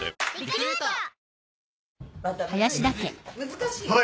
難しい。